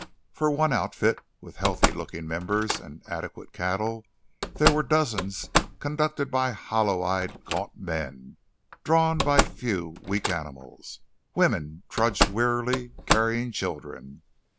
For one outfit with healthy looking members and adequate cattle there were dozens conducted by hollow eyed, gaunt men, drawn by few weak animals. Women trudged wearily, carrying children.